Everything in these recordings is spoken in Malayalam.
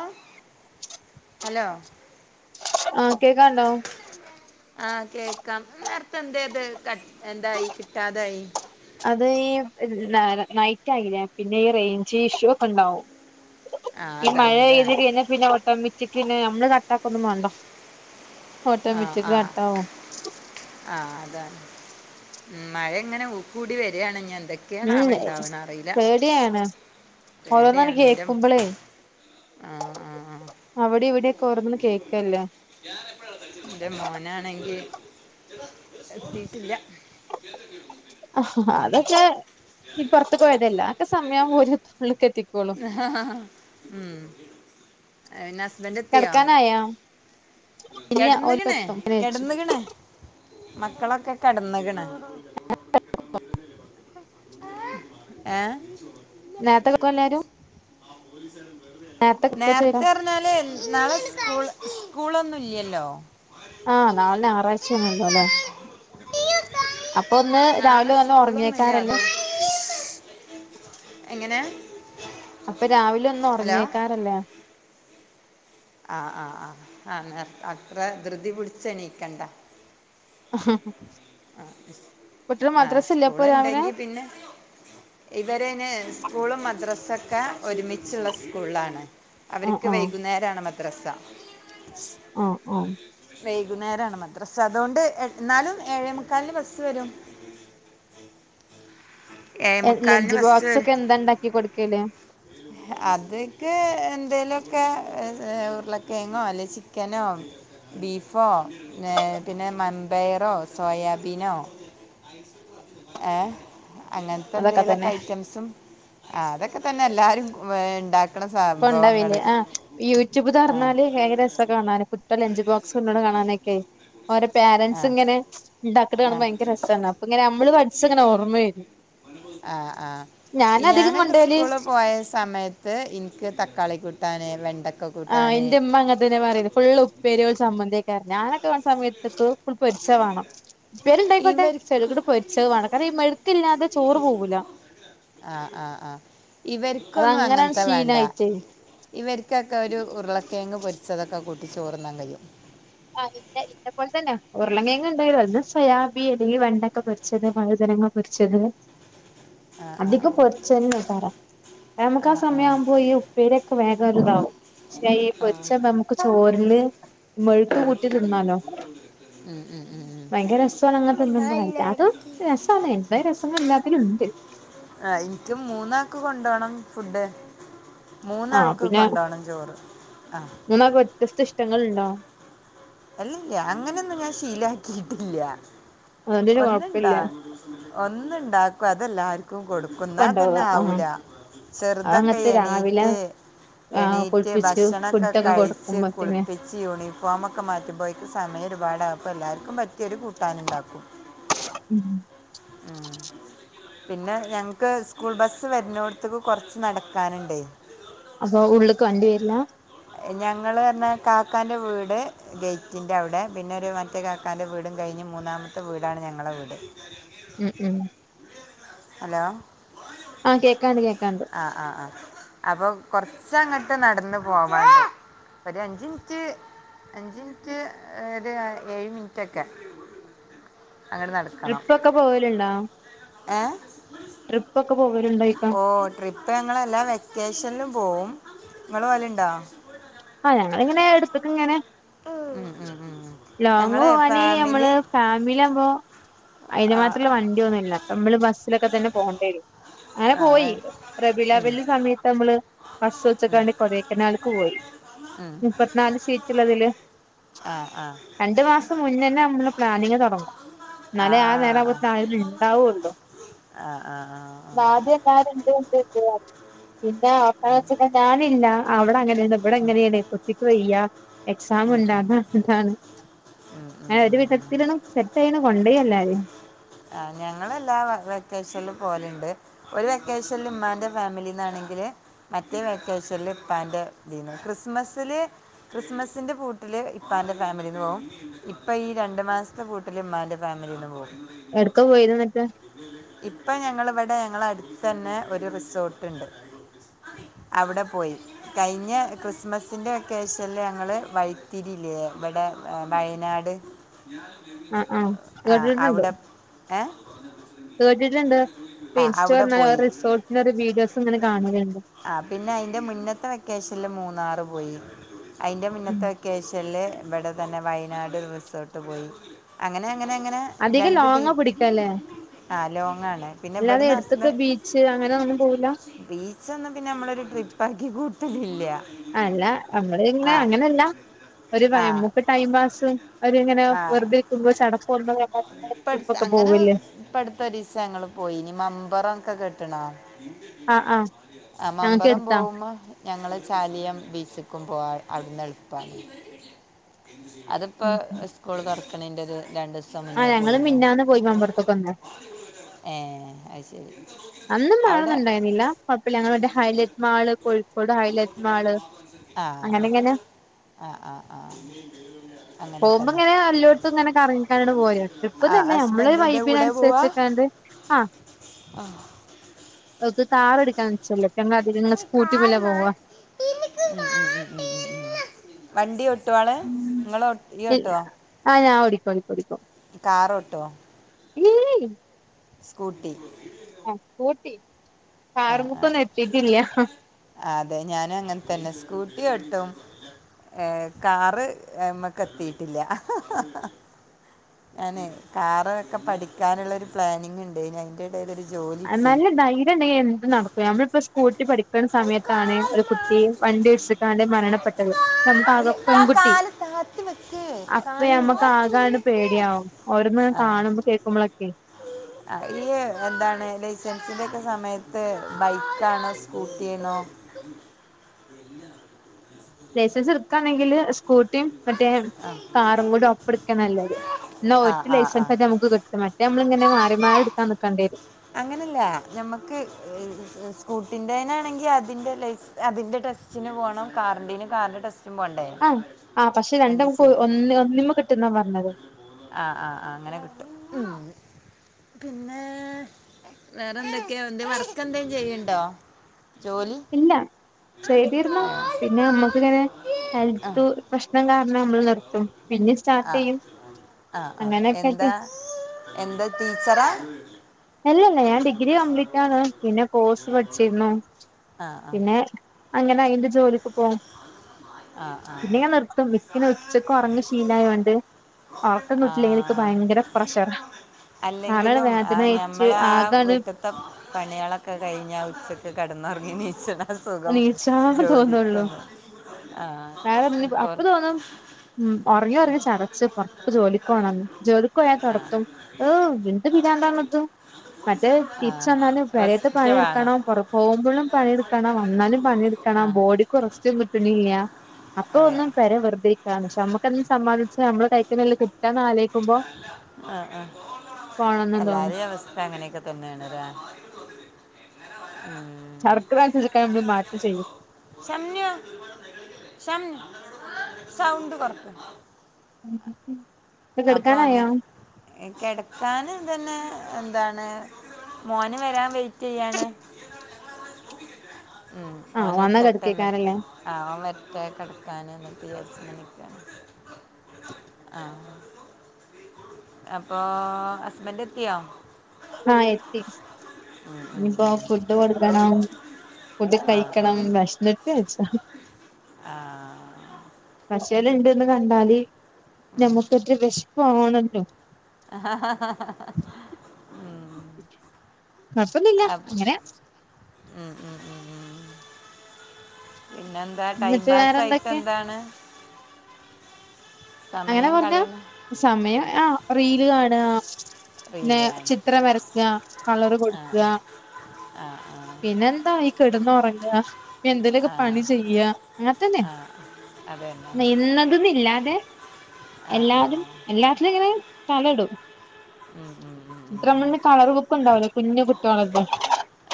ആഹ് ഹലോ ആഹ് കേക്കാണ്ടോ ആഹ് കേക്കാം നേരത്തെ എന്തേത് ഇത് എന്തായി കിട്ടാതായി അത് ഈ നൈറ്റ് ആയില്ലേ പിന്നെ ഈ റേഞ്ച് ഇഷ്യൂ ഒക്കെ ഉണ്ടാവും ആ ഈ മഴ അതാണ്ല്ലേ പെയ്ത് കഴിഞ്ഞ പിന്നെ ഓട്ടോമാറ്റിക്കിന് പിന്നെ നമ്മള് കട്ടാക്കൊന്നും വേണ്ടോ ഓട്ടോമാറ്റിക്ക് കട്ടാവും ആഹ് അതാണ് ഉം മഴ തുങ്ങനെ ഊകൂടി വരാണ് ഇഞ്ഞി എന്തൊക്കെ ഉം പേടിയാണ് ഓരോന്നാണ് പേടിയാണ് ഇന്റെ കേക്കുമ്പളേ ആ ആ ആ അവിടെ ഇവിടൊക്കെ ഓരോന്ന് കേക്കല്ലേ എന്റെ മോനാണെങ്കിൽ എത്തിട്ടില്ല ആഹ് അതൊക്കെ ഈ പുറത്തു പോയതല്ലേ ഒക്കെ സമയം ആവുമ്പോ ഓല് ഉള്ള്ക്ക് എത്തിക്കോളും ഉം പിന്നെ ഹസ്ബൻ്റ് എത്തിയോ കിടക്കാനായാ ഇല്ല കെടന്നിക്ക്ണേ ഓലിപ്പത്തും അങ്ങനെ വെച്ചു കെടന്നിക്ക്ണേ മക്കളൊക്കെ കടന്നുക്ക്ണ് ഏഹ് [inaudible] നേരത്തൊർങ്ങൊ എല്ലാരും നേരത്തെ കെടക്കോ ചോയ്ക നേരത്തെ ന്നാൽ നാളെ സ്കൂൾ സ്കൂളൊന്നുല്യല്ലോ ആഹ് നാളെ ഞാറാഴ്ചേണല്ലൊലെ അപ്പോന്ന് നാളെ രാവിലെ നല്ല സ്കൂളൊന്നുമില്ല അത് ഒർങ്ങേക്കാരല്ലെ എങ്ങനെ അപ്പൊ രാവിലെന്ന് ഹലോ ഒർങ്ങേക്കാരല്ലെ ആഹ് ആഹ് ആഹ് ആഹ് [inaudible] അത്രേ ധൃതി പിടിച്ചെണീക്കണ്ട [inaudible] ആഹ് കുട്ടികള് ആഹ് മദ്രസ ഇല്ലേ അപ്പൊ രാവിലെ സ്കൂള്ണ്ടെങ്കി പിന്നെ ഇവരയ്ന് സ്കൂളും മദ്രാസൊക്കെ ഒരുമിച്ച്ള്ള സ്കൂളാണ് ആഹ് അവര്ക്ക് ആഹ് വൈകുന്നേരാണ് മദ്രസ ആഹ് ആഹ് വൈകുന്നേരാണ് മദ്രസ അതോണ്ട് എന്നാലും ഏഴേമുക്കാലിന്ന് ബസ്സ് വരും ഏഴേ മുക്കാലിന് ലഞ്ച്ബോക്സ്ക്കെന്താണ്ടാക്കി കൊട്ക്കല് അത്ക്ക് എന്തേലൊക്കെ ഉരുളക്കേങ്ങോ അല്ലേ ചിക്കനോ ബീഫോ പിന്നെ മൺപയറോ സോയാബീനോ. ഏഹ് അങ്ങൻത്തെ അതൊക്കെ ന്തേലൊക്കെ തന്നെ ഐറ്റംസും. ആ അതൊക്കെ തന്നെ എല്ലാരും വ് ഉണ്ടാക്ക കൊണ്ടാവില്ലേ ആഹ് ആ യൂട്യൂബ്തൊർന്നാല് ഭെയ്ങ്കരരസാ കാണാൻ പു ലെഞ്ച് ബോക്സ് കൊണ്ടോണ കാണാനൊക്കെ ഓരോ ആ പേരൻസ്ഇങ്ങനെ ആ ണ്ടാക്ക്ണകാണുമ്പോ ഭയങ്കെരരസ്സാണ്. പങ്ങനെ അമ്മ്ള് പട്ച്ചങ്ങനെ ഓർമ്മെവരും. ആഹ് ആഹ് അധികം ഞാനൊക്കെ കൊണ്ടോവല് സ്കൂള്പോയ സമയത്ത് ത്ത് ഇന്ക്ക് തക്കാളി കൂട്ടാൻ വെണ്ടക് ആഹ് ന്റെഇമ്മ അങ്ങെൻ തന്നെ പറ്യല് ഫുളള് ഉപ്പേരി ഒര്ചമ്മന്ത്വാക്കാരം സമയത്ത്ക്ക്ഫുൾ പൊര്ച്ചവാണം ഇപ്പേരിണ്ടായ്ക്കോട്ടെ ചെട് ഇവർക്ക് ക്ടപൊര്ച്ചവാണം കാരണം ഈമര് ക്കില്ലാതെ ചോറ് പോകൂല. ആഹ്ആഹ്ആഹ് അത് ഇവര്ക്കൊന്നും അങ്ങനെയാണ് അങ്ങൻത്തെവേണ്ട ശീലായിട്ടേ ഇവര്ക്കൊക്കെ ഒരു ഉർളക്കേങ്ങ് പൊര്ച്ചതൊക്കെ കൂട്ടി ചോർന്നാൻകയ്യും. ആ പിന്നെ ഇന്നെപ്പോലെ തന്നെ തന്നെ ഉർളങ്ങേങ്ങ് ണ്ടായി സൊയാബി യസകിവെണ്ടക്കപൊരി ചെ ത് വൈഴ്തനങ്ങപൊര്ച്ചത് ആ ആ അധികം പൊര്ചെന്നേ ക്കാരം. നമ്ക്ക് ആ സമയാ വ്മ്പോ ഈഉ ഇപേരിക്കെ വേഗംട്താവും ആ ക്ഷെപൊര്ച്ചെതമ്മക്ക് ചോറ്ല്മെ ആ കൂട്ടി ത്തിന്നാലോ ഉം ഉം ഉം ഉം വയ്‌ങ്കെരസ്സ്വാണ് അങ്ങ്നെ തിന്ന്മ്പോ എല്ലാതും രസ്സാണ് എന്ത് രസങ്ങൾ എല്ലാത്തിലുണ്ട്. ആഹ് ഇൻക്ക് മൂന്നാക്ക് കൊണ്ടോണം. ഫുഡ്. ആഹ് മൂന്നാൾക്ക് പിന്നെ കൊണ്ടോണം ചോറ് ആഹ് മൂന്നാക്ക് ഒറ്റിസ്റ്റിസ് പെങ്ങള്ണ്ടോ അല്ലല്യാഅങ്ങനൊന്നും ഞാൻശീലാക്കീട്ടില്ല അതുകൊണ്ടൊരു കൊഴപ്പില്ല ഒന്ന്ണ്ടായി ഒന്ന്ണ്ടാക്കും അതെല്ലാര്ക്കും [inaudible] കൊടുക്കുന്നാ തന്നെ കൊണ്ടോവാ ആഹ് ആവൂലാചെറ്തെക്കെ അതങ്ങത്തെ രാവിലെ എണീറ്റ് ആഹ് എണീറ്റ് കുളിപ്പിച്ച് ഭക്ഷണൊക്കെ ഫുഡൊക്കെ കഴിച്ച് കൊടുക്കുമ്പോത്തിന് കുളിപ്പിച്ച് യൂണിഫോമൊക്കെ ഒക്കെ മാറ്റുമ്പൊയേക്ക് സമയം ഒരുപാടാകും അപ്പെഎല്ലാർക്കും പറ്റ്യൊരു കൂട്ടാനുണ്ടാക്കും ഉം ആഹ് പിന്നെ ഞങ്ങ്ക്ക് സ്കൂൾ ബസ്സ് വര്നോട്ത്ത്ക്ക് കൊറ്ച്ച് ന്നട്ക്കാന്ണ്ടേ അപ്പൊഉള്ള്ക്ക് വണ്ടി വര്ല്ലാ ഞങ്ങള് പർഞ്ഞാകാക്കാൻന്റെവ്ട്. ഗെയ്റ്റിൻ്റ അവ്ടെപിന്നെ രു മറ്റേകാക്കാൻ്റെ വ്ടും കഴിഞ്ഞ് മൂന്നാമ്ത്തെ വ്ടാണ് ഞങ്ങെളെവീട്. ഉം ഉം ഹലോ? ആഹ് കേക്കാണ്ട് കേക്കാണ്ട്. ആ ആ ആ അപ്പൊ കുറച്ച്ങ്ങോട്ട് നടന്ന് പോവൻ ഇട് ഒരു അഞ്ചിമിനിറ്റ് അഞ്ച് മിനിറ്റ് ഒരു ഏഴ് മിനിറ്റ് ഒക്കെ അങ്ങനെ നടത്ത ട്രിപ്പ് ഒക്കെ പോവലുണ്ടോ ഏ ട്രിപ്പ് ഒക്കെ പോവലുണ്ടോ ഇപ്പ ഓ ട്രിപ്പ് ഞങ്ങളെല്ലാ വെക്കേഷനിലും പോവും നിങ്ങള് പോവല് ഉണ്ടോ? ആ ഞങ്ങിങ്ങനെ എടുത്തക്കങ ഇങ്ങനെ ഉം, ഉം, ഉം. ലോങ് ഞങ്ങള് പോവാന് ഫാമിലി നമ്മള് ഫാമിലി ആകുമ്പോ. അയിന് ആ മാത്രമുള്ള വണ്ടിന്നുമല്ല. നമ്മള് ബസ്സിലൊക്കെ തന്നെ പോകണ്ടേ വരും. അങ്ങനെ ആ പോയി. റബീ അവ്വൽന്റെ സമയത്ത് നമ്മള് ബസ്സ് വെച്ച്ക്കാണ്ട കൊടേക്കനാൽക്ക് പോയി ഉം. മുപ്പത്തിനാല് സീറ്റ്ള്ളതില് ആഹ് ആഹ് രണ്ടു മാസം മുന്നേന്നെ നമ്മള് പ്ലാനിങ്ങ് തൊടങ്ങും ആ ആ ന്നാലെ ആഹ്. നേരവുമ്പ അളുകള് ഇണ്ടാവുള്ളോ ആഹ് ആഹ് ആഹ് [unintelligible] പിന്നെ അപ്പ [unintelligible] ഞാനില്ല അവിടെ അങ്ങനെ ഇവിടെ എങ്ങനെണ കുട്ടിക്ക് വയ്യ എക്സാം ഉം, ഇണ്ട് ഉം, അതാണ് ഇതാണ് ഉം, ഉം, ഞാൻ ഒരു ഉം. വിധത്തിലണ് സെറ്റ് ആയണ് കൊണ്ടേയി എല്ലാരി ആഹ് ഞങ്ങളെല്ലാ വെക്കേഷനിലും പോവല്ണ്ട് ഒരു വെക്കേഷൻ ല് ഉമ്മാന്റെ ഫാമിലിന്നാണെങ്കില് മറ്റേ വെക്കേഷൻല് ഉപ്പന്റെ ഇതീന്ന് ക്രിസ്മസില് ക്രിസ്മസിന്റെ പൂട്ടില് ഇപ്പന്റെ ഫാമിലിന്ന് പോകും ഇപ്പ ഈ രണ്ടു മാസ് [unintelligible] പൂട്ടില് ഇമ്മാന്റെ ഫാമിലിന്ന് പോകും എടക്ക പോയത് ന്നിട്ട് ഇപ്പം ഞങ്ങളിവിടെ ഞങ്ങളെ അടുത്തന്നെ ഒരു റിസോട്ട്ണ്ട് അവിടെ പോയി കഴിഞ്ഞ ക്രിസ്മസിൻ്റെ വെക്കേഷൻല് ഞങ്ങള് വൈത്തിരില്ലേ ഇവിടെ വയനാട് ആഹ് അവിടെ ഏ കേട്ടിട്ട്ണ്ട് ആ ഇൻസ്റ്റ അവിടെ തൊർന്ന പോയി റിസോർ [unintelligible] ഒരു ദിവസംങ്ങനെ കാണുന്നുണ്ട്. ആഹ് പിന്നെ അയിന്റെ മുന്നത്തെ വെക്കേഷൻല് മൂന്നാറ് പോയി അയിന്റെ ഉം മന്നത്തെ കേഷനില് ഇവിടെ തന്നെ വയനാട് റിസോർട്ട് പോയി അങ്ങനെ അങ്ങനെ ങ്ങനെ അധികം രണ്ട് ടീ ലോങ്ങ് പിടിക്കല്ലേ ആഹ് ലോങ്ങണ് പിന്നെ ഇവിടന്ന് ഹസ് ച്ച് അങ്ങനെ ഒനു പോവുല്ല ബീച്ചൊന്നും പിന്നെ നമ്മളൊരു ട്രിപ്പ് ആക്കി കൂട്ടലില്ല അല്ല നമ്മള് ഇങ്ങനെ ആ അങ്ങനെല്ല ഒരു ആ നമുക്ക് ടൈം പാസ് ഒര്ങ്ങനെ വെറുതെരിക്കുമ്പോ ചടപ്പ് [unintelligible] പ്പട്ത്ത് ട്രിപ്പൊക്കെ അങ്ങനെ പോവല്ലേ പ്പടുത്ത് ഒരീസ ഞങ്ങള്ൾ പോയി ഇനി മമ്പറൊക്കെ കെട്ട്ണോ ആഹ് ആഹ് ആഹ് ഞങ്ങക്ക് മമ്പറം എടുത്താ പോവ്മ്പ ഞങ്ങള് ചാലിയം ബീച്ച്ക്കും പോവാ അവിടുന്ന് എളുപ്പമാണ് അത് ഇപ്പൊ സ്കൂള് തൊറക്ക്ണെന്റെ ഒരു രണ്ട് ദിവസം ആഹ് മുന്നേ ഞങ്ങള് പോയിരുന്നു മിഞ്ഞാന്ന് പോയി മമ്പൊർത്ത്ക്കൊക്കെ ഏഹ് അത്ശരി അന്നും മഴന്നുണ്ടായിരുന്നില്ല കുഴപ്പില്ലങ്ങെ highlight mall Kozhikode highlight mall അങ്ങനെ ഇങ്ങനെ ആഹ് ആഹ് ആഹ് അങ്ങനെ പോകുമ്പോ തന്നെ ഇങ്ങനെ അപ്പൊ ആ തന്നെ നമ്മള് ഹസ്ബൻഡിന്റെ വൈബിനനുസരിച്ചൊക്കണ്ട് ആഹ് ആഹ [unintelligible] കാർ എടുക്കാൻ നിച്ചല്ല അതികങ്ങള് സ്കൂട്ടി കാൽ മ്മല പോവാ മാറ്റി വണ്ടി ഓട്ടോ ആള്‌ ങ്ങള് ഓട്ടോ ആഹ് ഞാൻ ഓടിക്കോടിക്കും ഓടിക്കും കാറോട്ടോ? [unintelligible] സ്കൂട്ടി ആഹ് സ്കൂട്ടി ആ ആ കാർമെക്കൊന്നും ല- എത്തിട്ടില്ല അതെ ഞാനും അങ്ങനെ തന്നെ സ്കൂട്ടി ഓടുത്തും കാറ് അമ്മക്ക് എത്തിയിട്ടില്ല ഞാന് കാറ് ഒക്കെ പഠിക്കാനുള്ള ഒരു പ്ലാനിങ് ഉണ്ട് ഇനി അയിൻ്റെ ഇടയിൽ ഒരു ജോലി കിട്ടി നല്ല ധൈര്യം ഉണ്ടെങ്കിൽ എന്തും നടക്കും ഞമ്മളിപ്പോ സ്‌കൂട്ടി പഠിക്കണ സമയത്താണ് ഒരു കുട്ടി വണ്ടി ഇടിച്ച്ഗാണ്ട് മരണപ്പെട്ടത് നമ്മക്ക് ആകെ ആ പെൺകുട്ടി കാല് താത്തി വെക്കേ അപ്പൊ നമ്മക്ക് ആകാണ് കാണുന്നില്ല പേടിയാവും ഓരോന്ന് കാണുമ്പോ കേൾക്കുമ്പോളൊക്കെയേ [inaudible] ആഹ് ഈ എന്താണ് ലൈസൻസിന്റെയോക്കെ സമയത്ത് ബൈക്കാണോ സ്കൂട്ടിയാണോ [unintelligible] [inaudible] ലൈസൻസ് എടുക്കാണെങ്കില് സ്കൂട്ടിയും മറ്റേ കാറും കൂടി ഒപ്പെടുക്കാണാ നല്ലത് എന്നാ ആ ഒറ്റ ആ ആ ലൈസൻസ് ഒക്കെ നമക്ക് കിട്ടും മറ്റേ നമ്മളിങ്ങനെ മാറി മാറി എടുക്കാൻ നിക്കണ്ട വരും അങ്ങനെയല്ല നമ്മുക്ക് സ്കൂട്ടിൻ്റെയിനാണെങ്കിൽ അതിൻ്റെ ലൈസ് അതിൻ്റെ ടെസ്റ്റ് തിന് പോകണം കാറിൻ്റേന് കാറിൻ്റെ ടെസ്റ്റ് ആഹ് ആഹ് പക്ഷെ രണ്ടും അമക്ക് ഒന്നിമ്മേ കിട്ടുന്നാ പറഞ്ഞത് ആഹ് ആഹ് അങ്ങനെ കിട്ടും പിന്നെ വേറെ എന്തൊക്കെയാ എന്തെ വർക്ക് എന്തേലും ചെയ്യുണ്ടോ ജോലി ഇല്ല ചെയ്തിരുന്നു ആ പിന്നെ നമ്മുക്കിങ്ങനെ ഹെൽത്ത് പ്രശ്നം കാരണം നമ്മൾ നിർത്തും പിന്നെ ആ സ്റ്റാട്ടെയും ആ ആ അങ്ങനെയൊക്കൊയിട്ട് എന്താ എന്താ ടീച്ചറാ അല്ലല്ല ഞാൻ ഡിഗ്രി കംപ്ലീറ്റ് ആണ് പിന്നെ കോഴ്സ് പഠിച്ചിരുന്നു ആ ആ പിന്നെ അങ്ങനെ അയിന്റെ ജോലിക്ക് പോവും ആ പിന്നെ ഇങ്ങനെ നിർത്തും എനിക്ക് ഉച്ചക്ക് ഉറങ്ങി ശീലായോണ്ട് ഉറക്കം ആ കിട്ടിയില്ലെങ്കില് എനിക്ക് ആ ഭയങ്കര പ്രഷറാ തല വേദനായി നമ്മള് ആഹ് വീട്ടിലത്തെ പണികളൊക്കെ കഴിഞ്ഞാൽ ഉച്ചക്ക് കിടന്നുറങ്ങിണീച്ചലാ സുഖം നീച്ചാൻ തോന്നുള്ളൂ ജോലിക്കുന്നുആഹ് വേറെ ഒന്നിനും ഇപ്പോൾ അപ്പൊ തോന്നും ഉം ഉറങ്ങി ഉറങ്ങി ചടച്ച് ഇപ്പൊ പൊറത്ത് ജോലിക്കോണോന്ന് ജോലിക്ക് പോയാൽ ആ തൊടത്തും ഏഹ് എന്ത് വീടാണ്ടാണത് മറ്റേ ആ തിരിച്ച് വന്നാലും പേരേത്തെ റെസ്റ്റ് വേണം പണിയെടുക്കണം കൊറ പോകുമ്പോഴും പണിയെടുക്കണം വന്നാലും ആ പണിയെടുക്കണം ബോഡിക്കും റെസ്റ്റും കിട്ടണില്ല അപ്പൊ അതെ ഒന്നും പെര വെറുതെ ആഹ് പക്ഷെ നമ്മക്കും സംബാധിച്ചാ നമ്മള് കൈയിക്കന്നല്ലേ കിട്ടാന്നാ ആലോ ആഹ് ആഹ് പോണംന്ന് തോന്നും എല്ലാരേം അവസ്ഥ അങ്ങനെയൊക്കെ തന്നെയാണ് ഇല്ലേ [unintelligible] ശർക്കര ഉരുക്കാൻ നമ്മള് മാറ്റി ചെയ്യും ഷമ്ന ഷം സൗണ്ട് കൊറക്ക് [inaudible] അപ്പൊ കെടക്കാനായോ അങ്ങനെ കിടക്കാൻ തന്നെ എന്താണ് മോന് വരാൻ വെയിറ്റ് ചെയ്യാന് ഉം ആഹ് ഓന് വന്നാ എത്തട്ടെ എന്നിട്ട് കെടക്കേക്കാരല്ലേ ആഹ് മെത്തേ കിടക്കാന് [unintelligible] ആഹ് അപ്പൊ ഹസ്ബണ്ട് എത്തിയോ. ആഹ് എത്തി ഉം, ഉം, ഇനിപ്പോ ഉം. ഫുഡ് കൊടുക്കണം. ഫുഡ് ആ ആ കഴിക്കണം ഭക്ഷണത്ത് അച്ഛാ. ആ പശേല്ണ്ട്ന്ന് കണ്ടാല് ഉം. നമുക്കേറ്റെ വെഷ്പ്പാണല്ലോ. ഉം. കൊഴ്പ്പുന്നുല്ല അങ്ങനെ. ഉം, ഉം, ഉം, ഉം. പിന്നെന്താ ടൈം എന്നിട്ട് വേറെന്തൊക്കെ പാസായിട്ടെന്താണ്. അങ്ങനെ സമയം പർഞ്ഞ കളയുന്നു സമയ ആഹ് റീല് കാണാ. ന്നെ റീലാണ് ചിത്രം വരക്ക കളറ് ആ കൊടുക്ക. ആ ആ പിന്നെന്താ ഇ കെട്ന്നൊറങ്ങ. എന്തേലൊക്കെ ആ പണി ചെയ്യ അങ്ങൻത്തന്നെ ആ അതന്നെ ന്ന ഇന്നത് ന്ന്ല്ലാതെ. ആ ആ എല്ലാരും എല്ലാത്തിലുങ്ങനെ തലടും. ഉം ഉം ഉം. ഉം, ഉം. ത്രംൽന് കളറ് ബുക്കുണ്ടാവൂലേ കുഞ്ഞു കുട്ടിയാളൊക്കെ.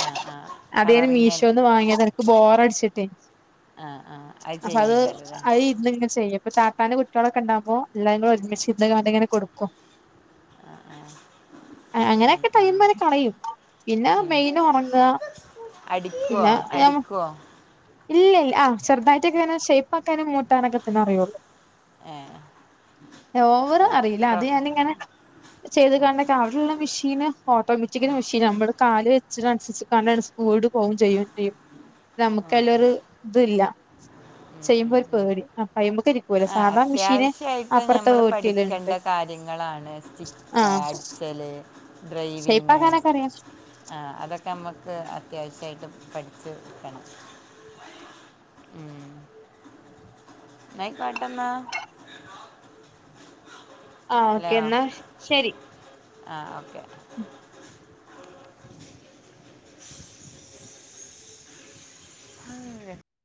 ആ ആ അതേന് കളറിങ് മീഷോന്ന് വാങ്ങ്യത ഇൻക്ക് ബോറടിച്ചിട്ടേ. ആഹ് ആഹ് അയ് ചെയ്യയ്ക്കാരല്ലേ. ഇത്ങ്ങ് ചെയ്യും ഇപ്പൊ താത്താന്റെ കുട്ടിയാളൊക്ക്ണ്ടാവുമ്പോ എല്ലാരുകൂടെ ഒരുമിച്ചിരിന്ന്ങ്ങാണ്ട്ങ്ങെനെ കൊടുക്കും. ആഹ് ആഹ്. അ അങ്ങനൊക്കെ ടൈമനെ കളയും പിന്നെ മെയിനൊറങ്ങ. അടിക്കോ അടിക്കോ. ഇല്ലല് ആഹ് ചെറുതായിട്ടൊക്കെങ്ങനെ ഷേപ്പാക്കാനും മൂട്ടാനൊക്കെ തന്നെ അറിയൊള്ളൂ. ഏഹ്. ഓവറ് അറിയില്ല അത് ഞാനിങ്ങനെ ചെയ്ത്കാണ്ടൊക്കെ അവിട്ള്ള മിഷീന്. ഓട്ടോമാറ്റിക്കല് മിഷീന നമ്മള് കാല് വെച്ചിനൻസരിച്ച്ക്കാണ്ടാണ് സ്പീഡ് പോവും ചെയ്യു ചെയ്യും. നമുക്കയ്ലൊരു ഇത് ല്ല ഉം, ചെയ്യുമ്പോ ഉം, ഒരു പേടി അപയ്മക് ഇരി ക്കൂല സാധാ മിഷി അവ്ശ്യയിട്ട് നമ്മള് പഠിക്കണ്ട കാര്യങ്ങളാണ് സ്റ്റി ഏ ആഹ് അടിച്ചല്. ഡ്രൈവിങ്. ഷേയ്പ്പാക്കാനൊക്കെ അറിയാം ആഹ് അതൊക്കമ്മക്ക് അത്യാവശ്യായിട്ട് പഠിച്ച് വെക്കണം. ഇന്നയ്ക്കോട്ടന്നാ. ആഹ് ഓക്കെ ഇന്നാ ശരി. ആഹ് ഓക്കെ. [inaudible]